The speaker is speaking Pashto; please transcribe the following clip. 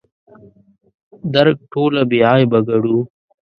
درک ټوله بې عیبه ګڼو.